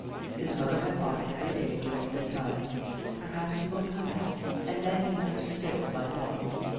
His mother had thought every day during this time: "Perhaps he will come back, and then he must still find a home."